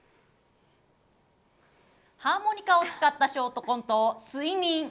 ハーモニカを使ったショートコント、睡眠。